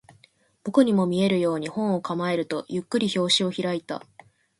僕にも見えるように、本を構えると、ゆっくり表紙を開いた